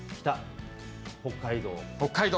北、北海道。